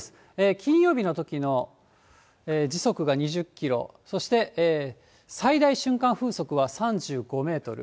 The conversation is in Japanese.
金曜日のときの時速が２０キロ、そして最大瞬間風速は３５メートル。